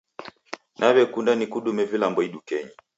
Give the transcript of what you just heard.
Naw'ekunda nikudume vilambo idukenyi.